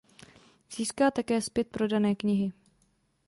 Získá také zpět prodané knihy.